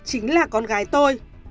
chính là con gái tôi